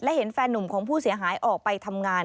และเห็นแฟนหนุ่มของผู้เสียหายออกไปทำงาน